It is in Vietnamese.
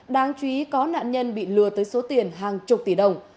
đáng chú ý có nạn nhân bị lừa tới số tiền hàng chục tỷ đồng